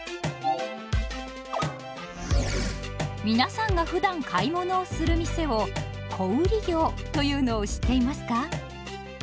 皆さんがふだん買い物をする店を「小売業」というのを知っていますか？